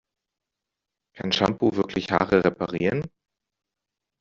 Kann Shampoo wirklich Haare reparieren?